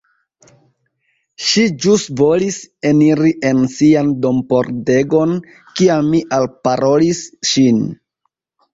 Ŝi ĵus volis eniri en sian dompordegon, kiam mi alparolis ŝin!